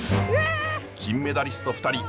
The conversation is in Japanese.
金メダリスト２人